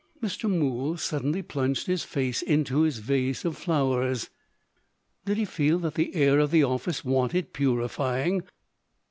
Mr. Mool suddenly plunged his face into his vase of flowers. Did he feel that the air of the office wanted purifying?